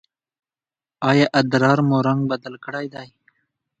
ایا ادرار مو رنګ بدل کړی دی؟